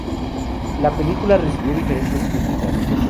La película recibió diferentes críticas.